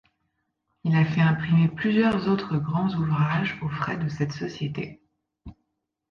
Il a fait imprimer plusieurs autres grands ouvrages aux frais de cette société.